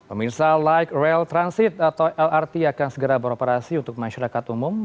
pemirsa light rail transit atau lrt akan segera beroperasi untuk masyarakat umum